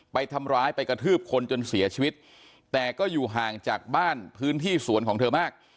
ไปทำร้ายไปกระทืบคนจนเสียชีวิตแต่ก็อยู่ห่างจากบ้านพื้นที่สวนของเธอมาก